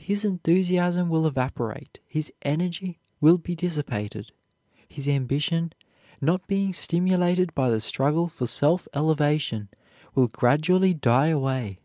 His enthusiasm will evaporate, his energy will be dissipated, his ambition, not being stimulated by the struggle for self elevation, will gradually die away.